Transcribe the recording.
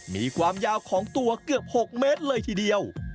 มีความยาวของตัวเกือบ๖เมตรเลยทีเดียว